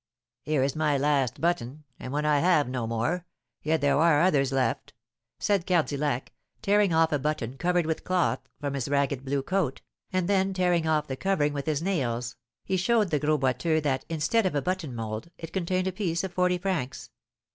"Here is my last button, and when I have no more, yet there are others left," said Cardillac, tearing off a button covered with cloth from his ragged blue coat, and then tearing off the covering with his nails, he showed the Gros Boiteux that, instead of a button mould, it contained a piece of forty francs.